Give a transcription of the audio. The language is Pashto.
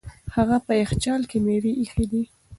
هغه په یخچال کې مېوې ایښې دي.